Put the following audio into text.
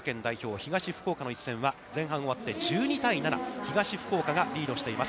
・東福岡の一戦は、前半を終わって１２対７、東福岡がリードしています。